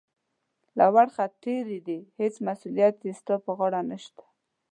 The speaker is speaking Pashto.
له ورخه تېرې دي، هېڅ مسؤلیت یې ستا پر غاړه نشته.